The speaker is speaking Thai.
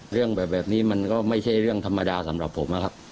เรื่องแบบนี้มันก็ไม่ใช่เรื่องธรรมดาสำหรับผมนะครับ